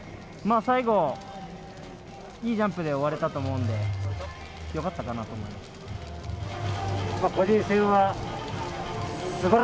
最後、いいジャンプで終われたと思うのでよかったかなと思います。